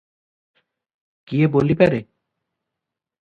କିଏ ବୋଲିପାରେ?